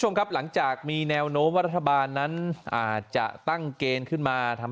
คุณผู้ชมครับหลังจากมีแนวโน้มว่ารัฐบาลนั้นอาจจะตั้งเกณฑ์ขึ้นมาทำ